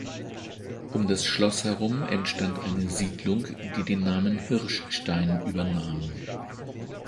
Um das Schloss herum entstand eine Siedlung, die den Namen Hirschstein übernahm.